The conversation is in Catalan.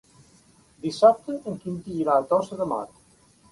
Dissabte en Quintí irà a Tossa de Mar.